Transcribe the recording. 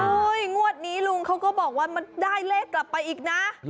งวดนี้ลุงเขาก็บอกว่ามันได้เลขกลับไปอีกนะ